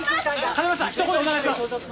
片山さんひと言お願いします！